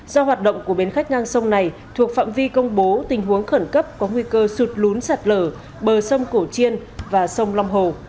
do hoạt động của bến khách ngang sông này thuộc phạm vi công bố tình huống khẩn cấp có nguy cơ sụt lún sạt lở bờ sông cổ chiên và sông long hồ